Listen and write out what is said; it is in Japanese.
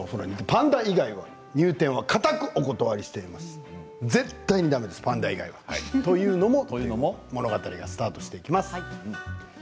パンダ以外は入店は固くお断りしています絶対にだめです、パンダ以外はというので物語がスタートしていきます。